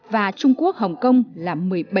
và trung quốc hồng kông là một mươi bảy tám